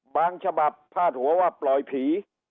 บางฉบับผ้าหัวว่าปล่อยผี